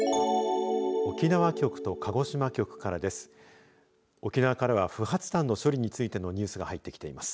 沖縄局と鹿児島局からです。